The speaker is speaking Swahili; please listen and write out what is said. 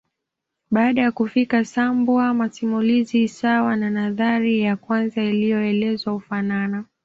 Baada ya kufika Sambwa masimulizi sawa na nadhari ya kwanza iliyoelezwa hufanana